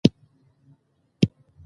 د مسافرو ژوند ډېر سخت وې.